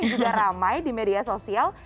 karena ada yang berada di media sosial